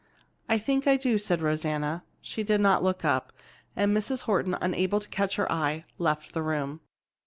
"I think I do," said Rosanna. She did not look up, and Mrs. Horton, unable to catch her eye, left the room.